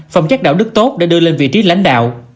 phòng chắc đạo đức tốt để đưa lên vị trí lãnh đạo